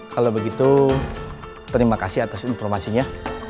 kalau begitu terima kasih atas informasinya